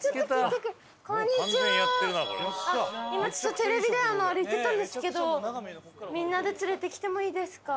今ちょっとテレビで歩いてたんですけどみんなで連れてきてもいいですか？